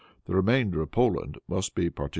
The remainder of Poland must be partitioned."